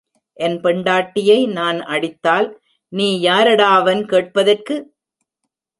என் பெண்டாட்டியை நான் அடித்தால் நீ யாரடாவன் கேட்பதற்கு?